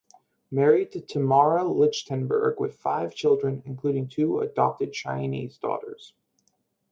Married to Tamara Lichtenberg with five children, including two adopted Chinese daughters.